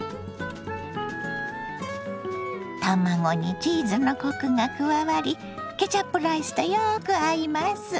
卵にチーズのコクが加わりケチャップライスとよく合います。